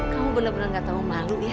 kamu benar benar gak tau malu ya